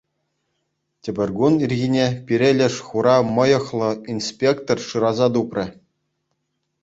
Тепӗр кун ирхине пире леш хура мӑйӑхлӑ инспектор шыраса тупрӗ.